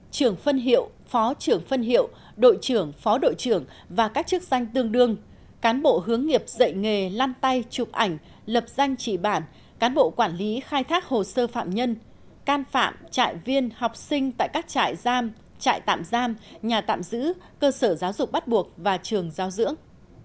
trưởng phân hiệu phó trưởng phân hiệu đội trưởng phó đội trưởng và các chức danh tương đương cán bộ hướng nghiệp dạy nghề lăn tay chụp ảnh lập danh trị bản cán bộ quản lý khai thác hồ sơ phạm nhân can phạm trại viên học sinh tại các trại giam trại tạm giam nhà tạm giữ cơ sở giáo dục bắt buộc và trường giáo dưỡng